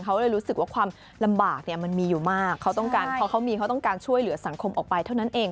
เขาเลยรู้สึกว่าความลำบากเนี่ยมันมีอยู่มากเขาต้องการพอเขามีเขาต้องการช่วยเหลือสังคมออกไปเท่านั้นเอง